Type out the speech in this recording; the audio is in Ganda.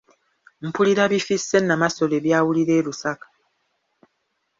Mpulira bifisse Nnamasole byawulira e Lusaka.